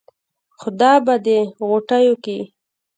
خدا به دې ِغوټېو کې